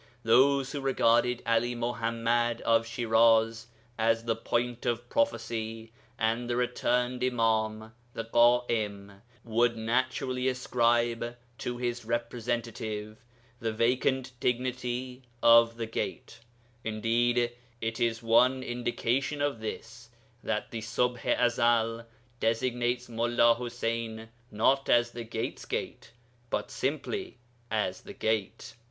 Those who regarded 'Ali Muḥammad of Shiraz as the 'Point' of prophecy and the returned Imâm (the Ḳa'im) would naturally ascribe to his representative the vacant dignity of 'The Gate.' Indeed, it is one indication of this that the Ṣubḥ i Ezel designates Mullā Ḥuseyn not as the Gate's Gate, but simply as the Gate.